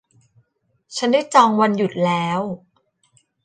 ฉันได้จองวันหยุดแล้ว